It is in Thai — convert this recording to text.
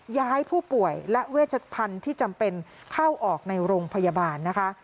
ย้ายผู้ป่วยและเวชพันธุ์ที่จำเป็นเข้าออกในโรงพยาบาลนะคะ